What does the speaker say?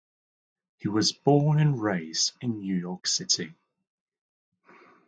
He was born and raised in New York City.